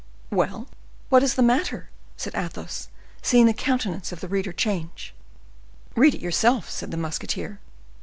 "Well, what is the matter?" said Athos, seeing the countenance of the reader change. "Read it yourself," said the musketeer.